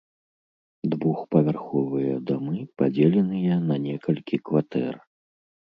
Двухпавярховыя дамы падзеленыя на некалькі кватэр.